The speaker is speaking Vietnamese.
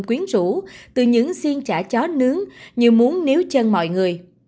các nhà hàng cũng quyến rũ từ những xiên chả chó nướng như muốn níu chân mọi người